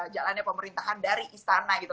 jalannya pemerintahan dari istana gitu